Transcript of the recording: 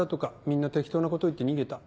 みんな適当なこと言って逃げた。